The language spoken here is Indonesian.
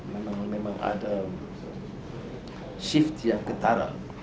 memang ada shift yang ketara